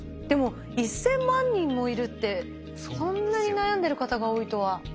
でも１，０００万人もいるってそんなに悩んでる方が多いとは。